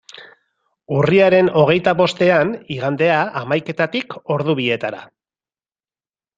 Urriaren hogeita bostean, igandea, hamaiketatik ordu bietara.